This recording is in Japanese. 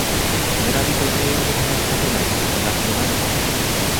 村人全員に話しかけないと気がすまない